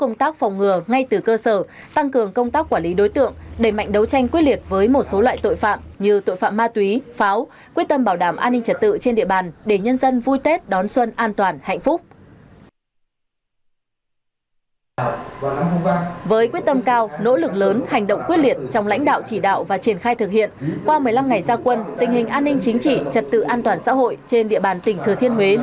chỉ trật tự an toàn xã hội trên địa bàn tỉnh thừa thiên nguyễn luôn được đảm bảo không xảy ra đột xuất bất ngờ